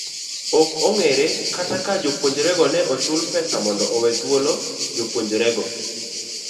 Ok ongere kata ka jopunjorego ne ochul pesa mondo owe thuolo jopuonjrego.